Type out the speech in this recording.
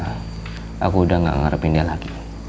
enggak mama aku udah gak mengharapin dia lagi